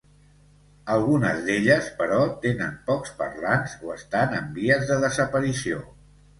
Algunes d'elles, però, tenen pocs parlants o estan en vies de desaparició.